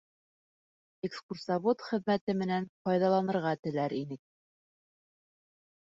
Экскурсовод хеҙмәте менән файҙаланырға теләр инек.